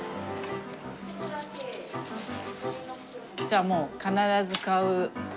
じゃあもう必ず買う。